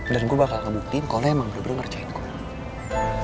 dan gue bakal ngebuktiin kalau emang bener bener ngerjain gue